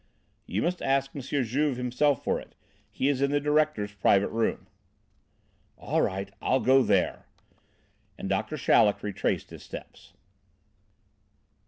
"You must ask M. Juve himself for it. He is in the director's private room." "All right, I'll go there." And Doctor Chaleck retraced his steps.